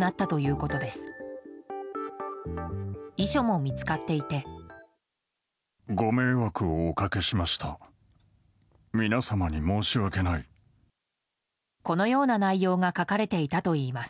このような内容が書かれていたといいます。